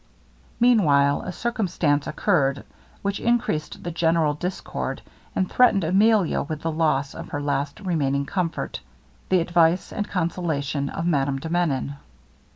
Meanwhile a circumstance occurred which increased the general discord, and threatened Emilia with the loss of her last remaining comfort the advice and consolation of Madame de Menon.